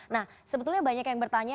nah sebetulnya banyak yang bertanya